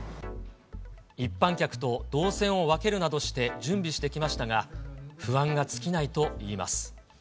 一般客と動線を分けるなどして準備してきましたが、不安が尽きないといいます。